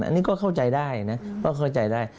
อันนี้ก็เข้าใจได้นะก็เข้าใจได้